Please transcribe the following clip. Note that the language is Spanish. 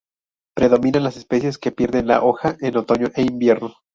Predominan las especies que pierden la hoja en otoño e invierno.